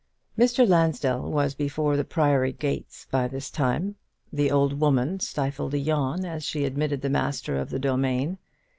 Mr. Lansdell was before the Priory gates by this time. The old woman stifled a yawn as she admitted the master of the domain.